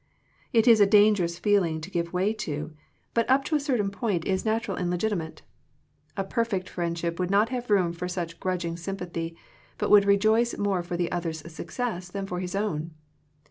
It is a danger ous feeling to give way to, but up to a Digitized by VjOOQIC THE FRUITS OF FRIENDSHIP certain point is natural and legitimate. A perfect friendship would not have room for such grudging sympathy, but would rejoice more for the other's success than for his own.